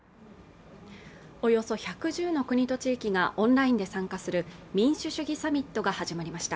およそ１１０の国と地域がオンラインで参加する民主主義サミットが始まりました